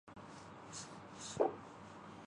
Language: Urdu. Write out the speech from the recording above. لیکن بات مزاج کی ہے۔